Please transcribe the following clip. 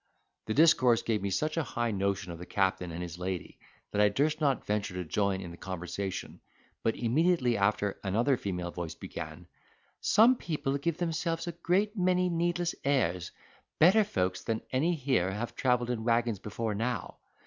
The discourse gave me such a high notion of the captain and his lady that I durst not venture to join in the conversation; but immediately after another female voice began: "Some people give themselves a great many needless airs; better folks than any here have travelled in waggons before now.